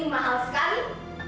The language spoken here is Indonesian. ini mahal sekali